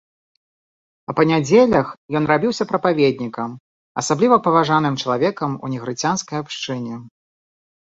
А па нядзелях ён рабіўся прапаведнікам, асабліва паважаным чалавекам у негрыцянскай абшчыне.